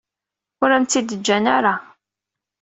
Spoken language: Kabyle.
Ur am-tt-id-ǧǧan ara.